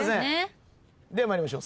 では参りましょう。